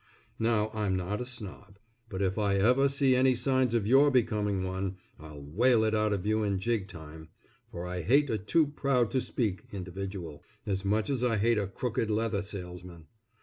Now I'm not a snob, and if I ever see any signs of your becoming one, I'll whale it out of you in jig time, for I hate a too proud to speak individual, as much as I hate a crooked leather salesman.